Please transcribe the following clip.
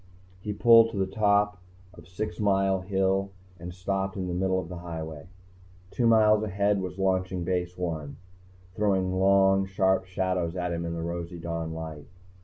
He pulled to the top of Six Mile Hill and stopped in the middle of the highway. Two miles ahead was Launching Base I, throwing long, sharp shadows at him in the rosy dawn light.